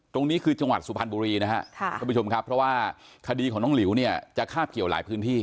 ตรงนี้คือจังหวัดสุพรรณบุรีนะครับท่านผู้ชมครับเพราะว่าคดีของน้องหลิวเนี่ยจะคาบเกี่ยวหลายพื้นที่